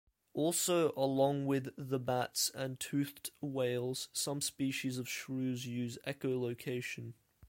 Also, along with the bats and toothed whales, some species of shrews use echolocation.